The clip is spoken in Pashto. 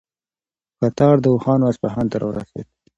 کتار د اوښانو اصفهان ته راورسېد.